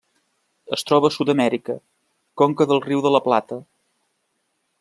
Es troba a Sud-amèrica: conca del Riu de la Plata.